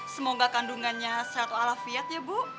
semoga kandungannya seatu alafiat ya bu